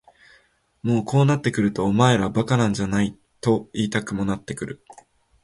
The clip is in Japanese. もうこうなってくるとお前ら馬鹿なんじゃないと言いたくもなってくる。